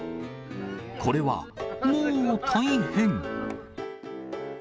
これは、もー大変。